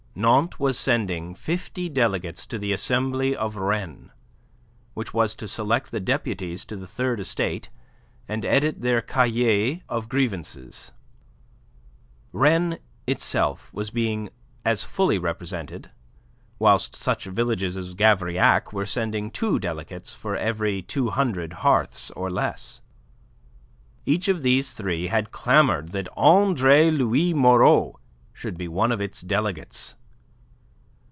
Nantes was sending fifty delegates to the assembly of Rennes which was to select the deputies to the Third Estate and edit their cahier of grievances. Rennes itself was being as fully represented, whilst such villages as Gavrillac were sending two delegates for every two hundred hearths or less. Each of these three had clamoured that Andre Louis Moreau should be one of its delegates.